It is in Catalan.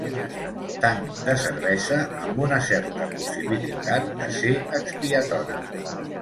Tanc de cervesa amb una certa possibilitat de ser expiatori.